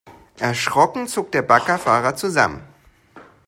Erschrocken zuckt der Baggerfahrer zusammen.